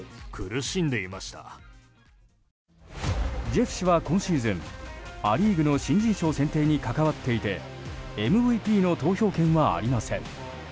ジェフ氏は今シーズンア・リーグの新人賞選定に関わっていてＭＶＰの投票権はありません。